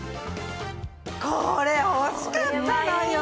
これ欲しかったのよ！